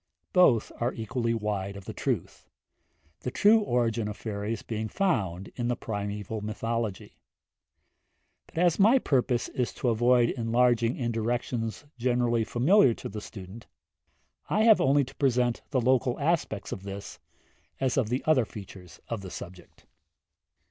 Both are equally wide of the truth, the true origin of fairies being found in the primeval mythology; but as my purpose is to avoid enlarging in directions generally familiar to the student, I have only to present the local aspects of this, as of the other features of the subject.